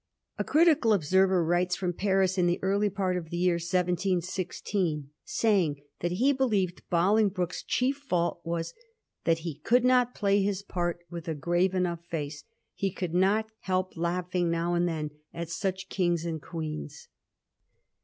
A critical observer writes from Paris in the early part of the year 1716, saying that he believed Bolingbroke's chief fault was * that he could not play his part with a grave enough face ; he could not help laughing now and then at such kings and queens.'